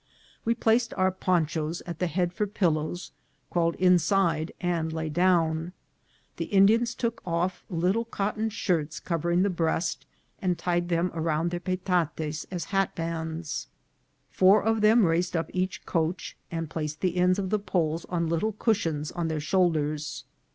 We placed our ponchas at the head for pillows, crawl ed inside, and lay down. The Indians took off little cotton shirts covering the breast, and tied them around, their petates as hatbands. Four of them raised up each coach, and placed the end of the poles on little cushions on their shoulders.